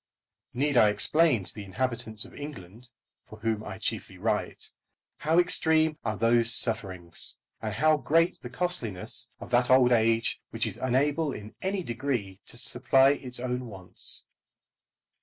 Need I explain to the inhabitants of England, for whom I chiefly write, how extreme are those sufferings, and how great the costliness of that old age which is unable in any degree to supply its own wants?